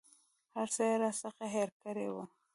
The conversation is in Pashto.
هر څه یې راڅخه هېر کړي وه.